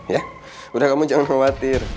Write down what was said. ya udah kamu jangan khawatir